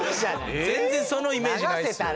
全然そのイメージないですよ。